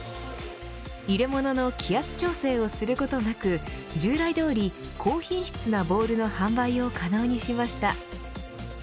入れ物の気圧調整をすることなく従来どおり高品質なボールの販売を可能にしました。